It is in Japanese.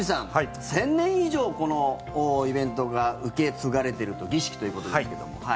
１０００年以上このイベントが受け継がれている儀式ということですけども。